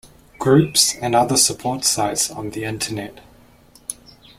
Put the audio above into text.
Groups and other support sites on the internet.